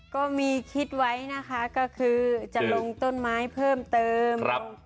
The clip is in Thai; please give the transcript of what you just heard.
ก็มีคิดไว้นะคะก็คือจะลงต้นไม้เพิ่มเติม